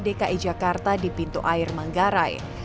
dki jakarta di pintu air manggarai